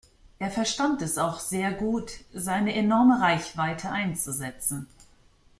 Er verstand es auch sehr gut seine enorme Reichweite einzusetzen.